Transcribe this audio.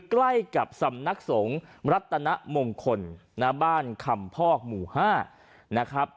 ใกล้กับสำนักสงฆ์รัตนมงคลณบ้านคำพอกหมู่๕นะครับ